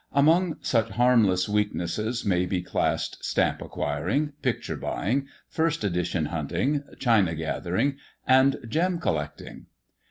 Among such harmless weak nesses may be classed stamp acquiring, picture buying, first edition hunting, china gathering, and gem collecting.